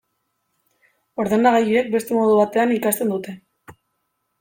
Ordenagailuek beste modu batean ikasten dute.